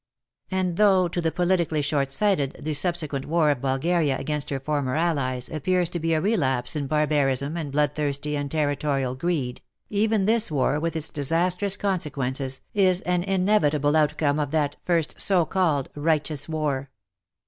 And though to the politically short sighted the subsequent war of Bulgaria against her former allies, appears to be a relapse into barbarism and bloodthirsty and territorial greed, even this war with its disastrous consequences, is an inevitable out come of that first so called righteous war."